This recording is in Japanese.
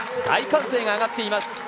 大歓声が上がっています。